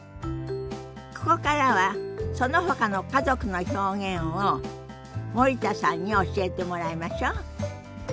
ここからはそのほかの家族の表現を森田さんに教えてもらいましょ。